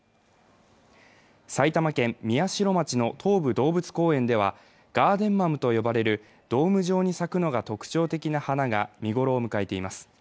埼玉県宮代町の東武動物公園では、ガーデンマムと呼ばれるドーム状に咲くのが特徴的な花が見頃を迎えています。